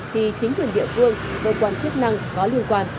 thì chính quyền địa phương cơ quan chức năng có liên quan